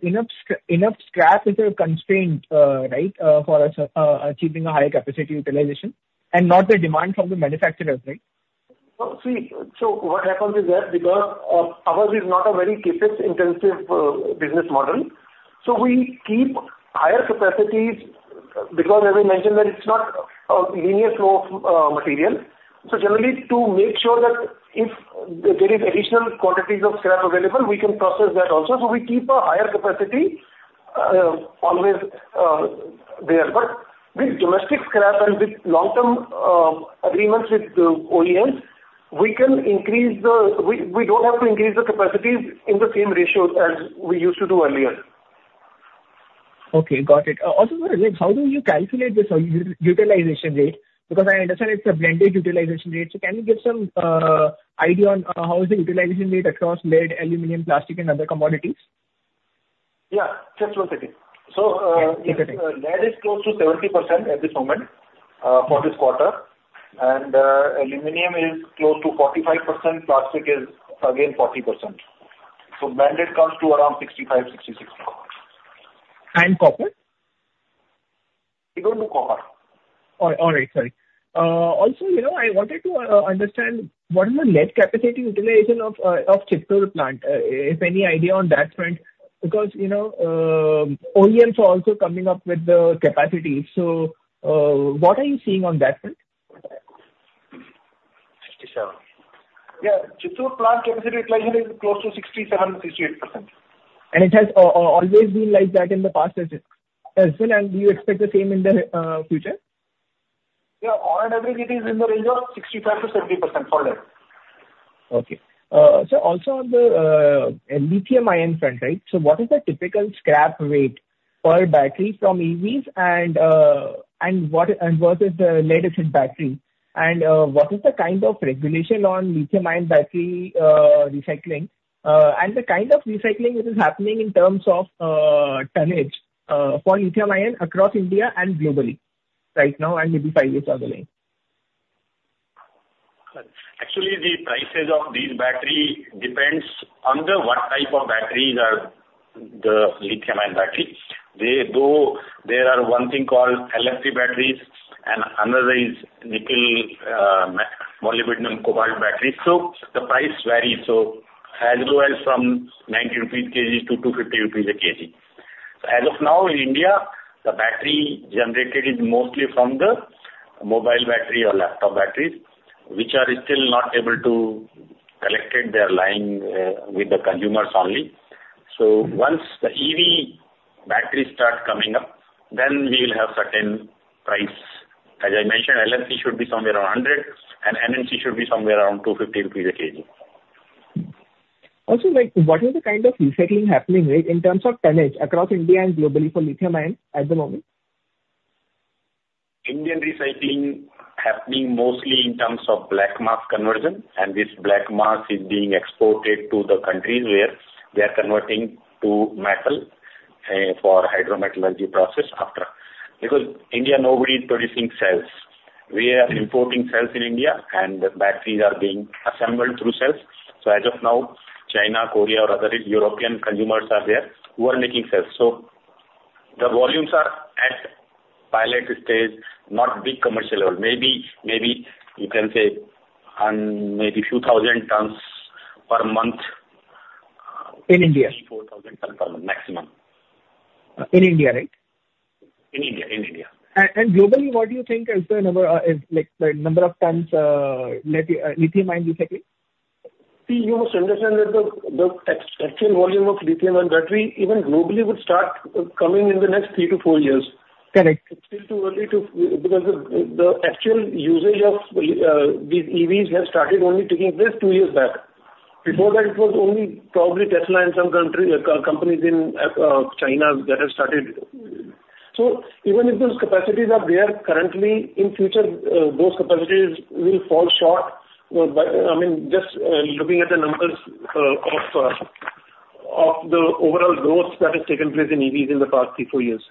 enough scrap is a constraint, right? For us, achieving a higher capacity utilization and not the demand from the manufacturers, right? No, see, so what happens is that because ours is not a very CapEx intensive business model, so we keep higher capacities, because as I mentioned that it's not a linear flow of material. So generally, to make sure that if there is additional quantities of scrap available, we can process that also. So we keep a higher capacity always there. But with domestic scrap and with long-term agreements with the OEMs, we can increase the—we don't have to increase the capacities in the same ratio as we used to do earlier. Okay, got it. Also, how do you calculate this utilization rate? Because I understand it's a blended utilization rate. So can you give some idea on how is the utilization rate across lead, aluminum, plastic, and other commodities? Yeah, just one second. So- Yeah. Lead is close to 70% at this moment, for this quarter. And aluminum is close to 45%. Plastic is, again, 40%. So blended comes to around 65%-66%. And copper? We don't do copper. Alright. Sorry. Also, you know, I wanted to understand what is the lead capacity utilization of the Chittoor plant, if any idea on that front, because, you know, OEMs are also coming up with the capacity. So, what are you seeing on that front? Sixty-seven. Yeah. Chittoor plant capacity utilization is close to 67%-68%. It has always been like that in the past as well, and do you expect the same in the future? Yeah. On average, it is in the range of 65%-70% for lead. Okay. So also on the lithium ion front, right? So what is the typical scrap rate per battery from EVs and what is the latest in battery? And what is the kind of regulation on lithium ion battery recycling and the kind of recycling which is happening in terms of tonnage for lithium ion across India and globally right now and maybe five years down the line? Actually, the prices of these battery depends on the what type of batteries are the lithium-ion battery. They, though, there are one thing called LFP batteries and another is nickel, manganese cobalt battery. So the price varies. So as low as from 90 rupees/kg to 250 rupees/kg. As of now, in India, the battery generated is mostly from the mobile battery or laptop batteries, which are still not able to collected, they're lying with the consumers only. So once the EV batteries start coming up, then we will have certain price. As I mentioned, LFP should be somewhere around 100, and NMC should be somewhere around 250 rupees/kg. Also, like, what is the kind of recycling happening, right, in terms of tonnage across India and globally for lithium ion at the moment? Indian recycling happening mostly in terms of black mass conversion, and this black mass is being exported to the countries where they are converting to metal.... for hydrometallurgy process after. Because India, nobody is producing cells. We are importing cells in India, and the batteries are being assembled through cells. So as of now, China, Korea or other European consumers are there who are making cells. So the volumes are at pilot stage, not big commercial level. Maybe, maybe you can say, maybe few thousand tons per month- In India. 3,000-4,000 tons per month maximum. In India, right? In India, in India. Globally, what do you think is the number, like the number of tons, lithium ion recycling? See, you must understand that the actual volume of lithium-ion battery, even globally, would start coming in the next three to four years. Correct. It's still too early to, because the actual usage of these EVs have started only taking place two years back. Mm-hmm. Before that, it was only probably Tesla and some country companies in China that have started. So even if those capacities are there currently, in future, those capacities will fall short. By, I mean, just looking at the numbers of the overall growth that has taken place in EVs in the past three, four years.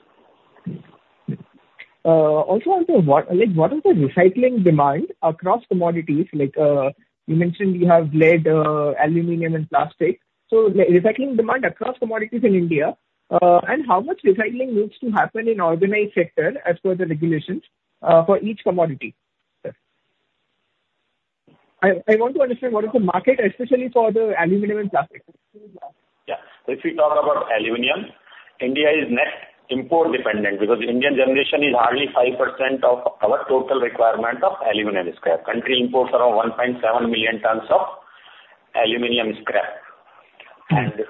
Also, what is the recycling demand across commodities? Like, you mentioned you have lead, aluminum and plastic. So the recycling demand across commodities in India, and how much recycling needs to happen in organized sector as per the regulations, for each commodity? I want to understand what is the market, especially for the aluminum and plastic. Yeah. If we talk about aluminum, India is net import dependent because Indian generation is hardly 5% of our total requirement of aluminum scrap. Country imports around 1.7 million tons of aluminum scrap- Mm. and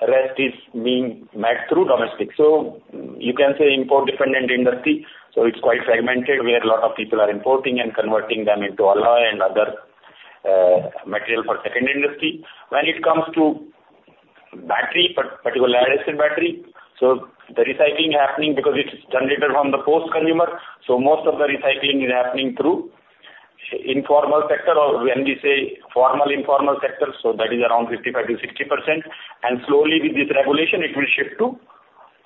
the rest is being met through domestic. So you can say import dependent industry, so it's quite fragmented, where a lot of people are importing and converting them into alloy and other, material for second industry. When it comes to battery, particular acid battery, so the recycling happening because it's generated from the post-consumer, so most of the recycling is happening through informal sector or when we say formal, informal sector, so that is around 55%-60%. And slowly, with this regulation, it will shift to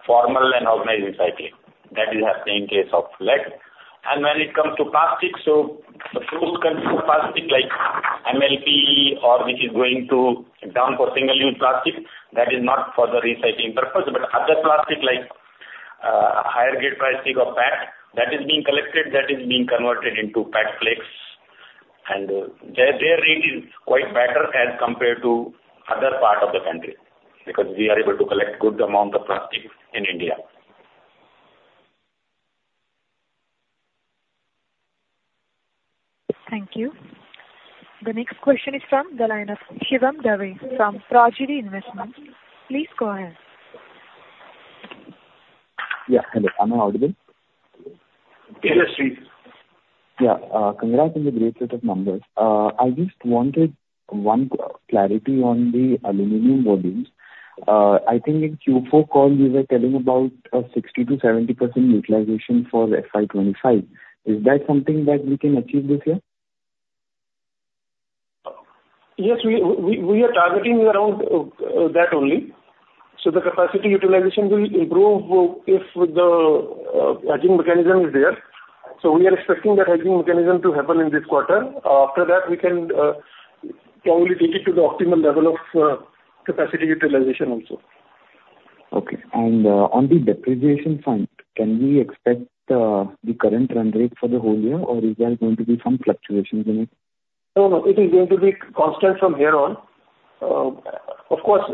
formal and organized recycling. That is happening in case of lead. And when it comes to plastic, so the post-consumer plastic, like MLP or which is going to dump for single-use plastic, that is not for the recycling purpose. But other plastic, like, higher grade plastic or PET, that is being collected, that is being converted into PET flakes. Their rate is quite better as compared to other part of the country, because we are able to collect good amount of plastic in India. Thank you. The next question is from the line of Shivam Dave, from Prajakt Investments. Please go ahead. Yeah, hello, am I audible? Yes, please. Yeah, congrats on the great set of numbers. I just wanted one clarity on the aluminum volumes. I think in Q4 call, you were telling about a 60%-70% utilization for FY 2025. Is that something that we can achieve this year? Yes, we are targeting around that only. So the capacity utilization will improve if the hedging mechanism is there. So we are expecting that hedging mechanism to happen in this quarter. After that, we can probably take it to the optimal level of capacity utilization also. Okay. And on the depreciation front, can we expect the current run rate for the whole year, or is there going to be some fluctuations in it? No, no, it is going to be constant from here on. Of course,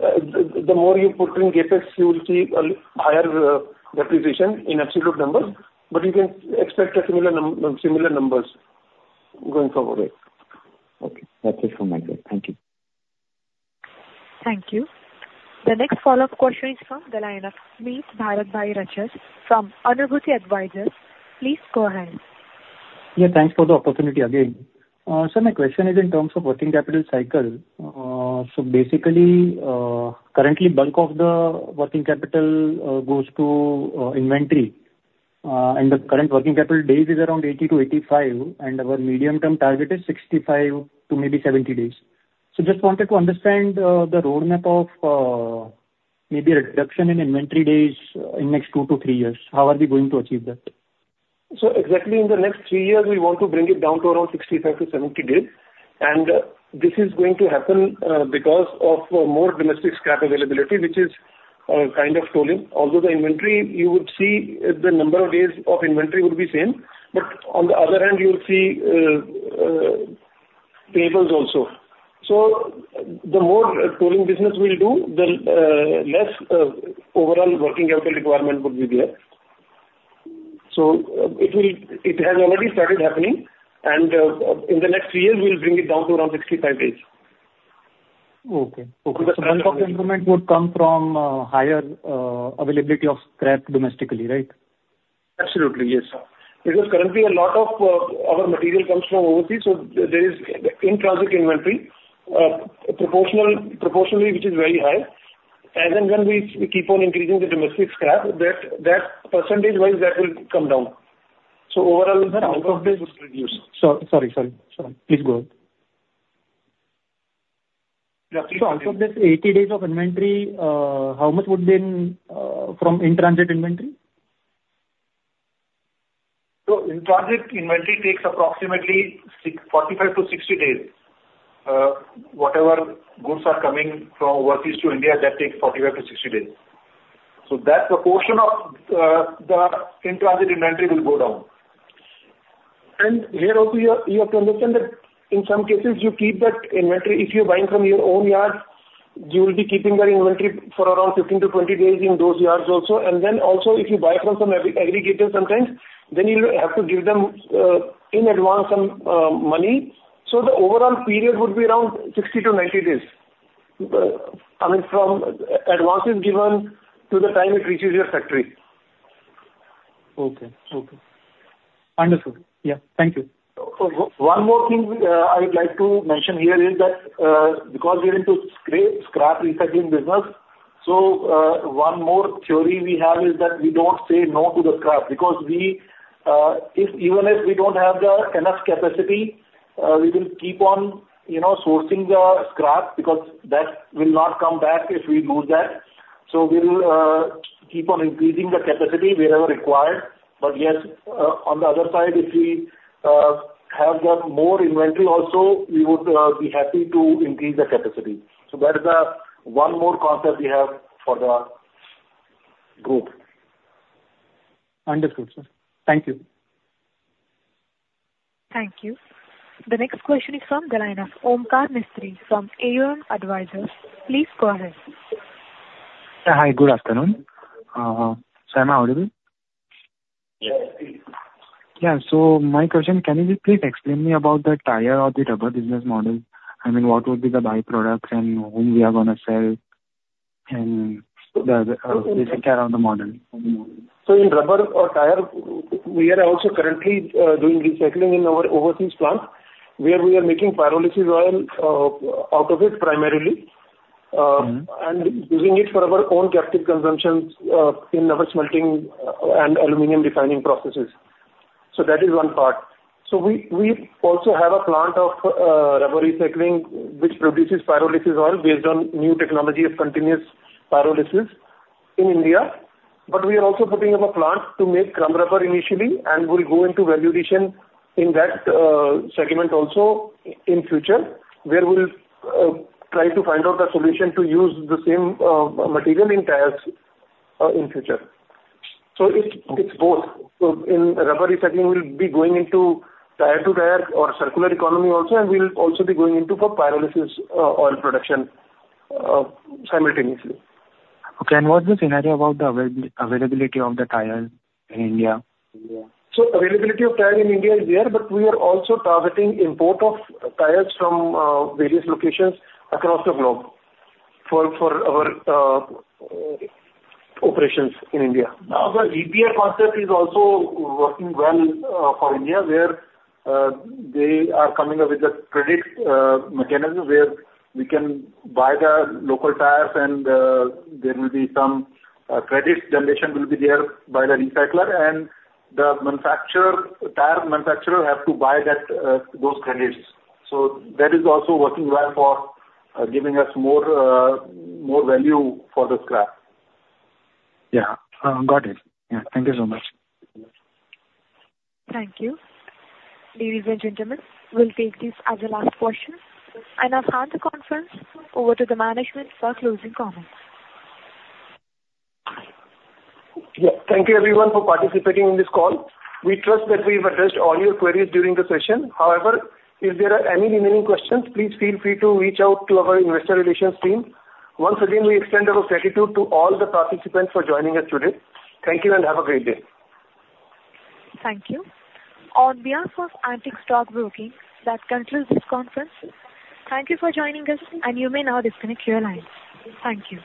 the more you put in CapEx, you will see a higher depreciation in absolute numbers, but you can expect similar numbers going forward. Okay. That's it from my end. Thank you. Thank you. The next follow-up question is from the line of Preet Bharatbhai Rajas, from Anugraha Advisors. Please go ahead. Yeah, thanks for the opportunity again. So my question is in terms of working capital cycle. So basically, currently, bulk of the working capital goes to inventory, and the current working capital days is around 80-85, and our medium-term target is 65 to maybe 70 days. So just wanted to understand the roadmap of maybe a reduction in inventory days in next 2-3 years. How are we going to achieve that? So exactly in the next three years, we want to bring it down to around 65-70 days. And this is going to happen because of more domestic scrap availability, which is kind of rolling. Although the inventory, you would see, the number of days of inventory would be same, but on the other hand, you'll see payables also. So the more rolling business we'll do, the less overall working capital requirement would be there. So it will... It has already started happening, and in the next three years, we'll bring it down to around 65 days. Okay. So the bulk of the improvement would come from higher availability of scrap domestically, right? Absolutely, yes. Because currently a lot of our material comes from overseas, so there is in-transit inventory, proportional, proportionally, which is very high. And then when we, we keep on increasing the domestic scrap, that, that percentage-wise, that will come down. So overall, the number of days would reduce. Sorry, sorry, sorry. Please go ahead.... So out of this 80 days of inventory, how much would be in from in-transit inventory? So in-transit inventory takes approximately 65-60 days. Whatever goods are coming from overseas to India, that takes 45-60 days. So that's the portion of the in-transit inventory will go down. And here also, you have, you have to understand that in some cases you keep that inventory. If you're buying from your own yards, you will be keeping that inventory for around 15-20 days in those yards also. And then also, if you buy from some aggregator sometimes, then you'll have to give them in advance some money. So the overall period would be around 60-90 days. I mean, from advance is given to the time it reaches your factory. Okay. Okay. Understood. Yeah. Thank you. One more thing, I'd like to mention here is that, because we're into scrap recycling business, so, one more theory we have is that we don't say no to the scrap. Because we, even if we don't have the enough capacity, we will keep on, you know, sourcing the scrap, because that will not come back if we lose that. So we will keep on increasing the capacity wherever required. But yes, on the other side, if we have the more inventory also, we would be happy to increase the capacity. So that is one more concept we have for the group. Understood, sir. Thank you. Thank you. The next question is from the line of Omkar Mistry from AUM Advisors. Please go ahead. Hi, good afternoon. Sir am I audible? Yes, please. Yeah, so my question, can you please explain me about the tire or the rubber business model? I mean, what would be the byproducts and whom we are gonna sell, and the basic care of the model? In rubber or tyre, we are also currently doing recycling in our overseas plant, where we are making pyrolysis oil out of it primarily. Mm-hmm. And using it for our own captive consumptions in our smelting and aluminum refining processes. So that is one part. So we also have a plant of rubber recycling, which produces pyrolysis oil based on new technology of continuous pyrolysis in India. But we are also putting up a plant to make crumb rubber initially, and we'll go into value addition in that segment also in future, where we'll try to find out a solution to use the same material in tires in future. So it's both. So in rubber recycling, we'll be going into tire to tire or circular economy also, and we'll also be going into the pyrolysis oil production simultaneously. Okay, and what's the scenario about the availability of the tire in India? So availability of tire in India is there, but we are also targeting import of tires from various locations across the globe for our operations in India. Now, the EPR concept is also working well for India, where they are coming up with a credit mechanism, where we can buy the local tires, and there will be some credit generation by the recycler. And the manufacturer, tire manufacturer, have to buy those credits. So that is also working well for giving us more value for the scrap. Yeah, got it. Yeah. Thank you so much. Thank you. Ladies and gentlemen, we'll take this as the last question, and I'll hand the conference over to the management for closing comments. Yeah. Thank you everyone for participating in this call. We trust that we've addressed all your queries during the session. However, if there are any remaining questions, please feel free to reach out to our investor relations team. Once again, we extend our gratitude to all the participants for joining us today. Thank you, and have a great day. Thank you. On behalf of Antique Stock Broking, that concludes this conference. Thank you for joining us, and you may now disconnect your lines. Thank you.